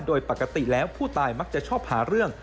โดยปกติแล้วผู้ตายมักจะชอบหาเรื่อง